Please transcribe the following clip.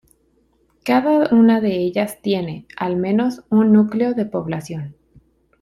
Cada una de ellas tiene, al menos, un núcleo de población.